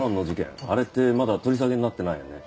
あれってまだ取り下げになってないよね？